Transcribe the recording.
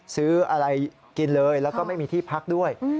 ซื้ออะไรกินเลยแล้วก็ไม่มีที่พักด้วย